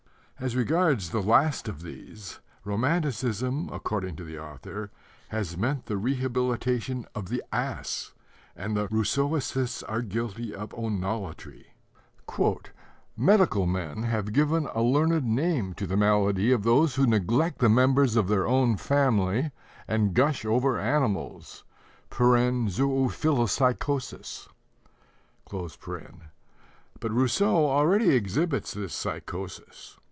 As regards the last of these, romanticism, according to the author, has meant the rehabilitation of the ass, and the Rousseauists are guilty of onolatry. "Medical men have given a learned name to the malady of those who neglect the members of their own family and gush over animals (zoöphilpsychosis). But Rousseau already exhibits this 'psychosis.'